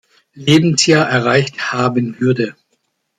Lebensjahr erreicht haben würde.